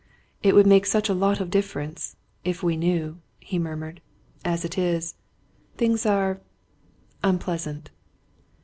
"It would make such a lot of difference if we knew!" he murmured. "As it is things are unpleasant."